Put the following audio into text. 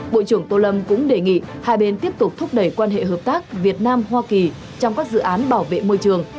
bộ trưởng tô lâm cũng đề nghị hai bên tiếp tục thúc đẩy quan hệ hợp tác việt nam hoa kỳ trong các dự án bảo vệ môi trường